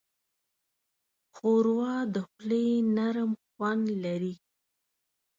ښوروا د خولې نرم خوند لري.